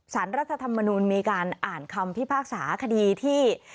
รัฐธรรมนูลมีการอ่านคำพิพากษาคดีที่